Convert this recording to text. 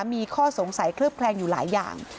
มีข้อสงสัยเคลือบแคลงอยู่หลายอย่าง